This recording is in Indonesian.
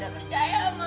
aku percaya sama aku